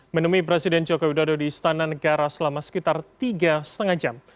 menemui presiden joko widodo di istana negara selama sekitar tiga lima jam